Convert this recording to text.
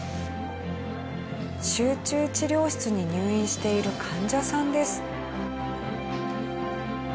集中治療室に入院している患者さんです。